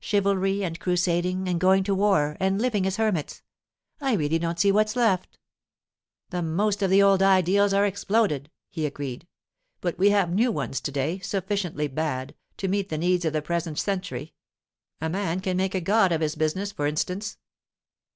Chivalry and crusading and going to war and living as hermits—I really don't see what's left.' 'The most of the old ideals are exploded,' he agreed. 'But we have new ones to day—sufficiently bad—to meet the needs of the present century. A man can make a god of his business, for instance.